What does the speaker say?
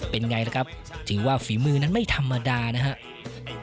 เป็นไงล่ะครับถือว่าฝีมือนั้นไม่ธรรมดานะครับ